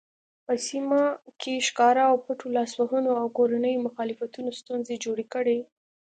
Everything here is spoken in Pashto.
په سیمه کې ښکاره او پټو لاسوهنو او کورنیو مخالفتونو ستونزې جوړې کړې.